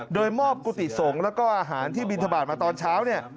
โดยมอบกุฏิสงฆ์แล้วก็อาหารที่บินทบาทมาตอนเช้าเนี่ย